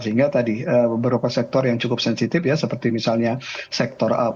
sehingga tadi beberapa sektor yang cukup sensitif ya seperti misalnya sektor apa